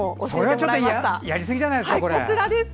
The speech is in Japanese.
それはやりすぎじゃないですか。